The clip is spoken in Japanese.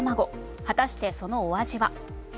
果たしてそのお味は？